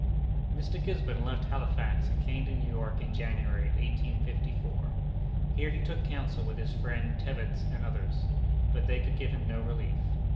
Mr. Gisborne left Halifax and came to New York in January, 1854. Here he took counsel with his friend Tebbets and others; but they could give him no relief.